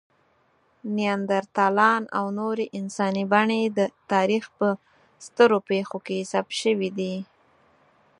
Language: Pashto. نیاندرتالان او نورې انساني بڼې د تاریخ په سترو پېښو کې ثبت شوي دي.